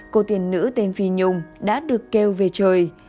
cô tiền nữ tên phi nhung đã được kêu về trời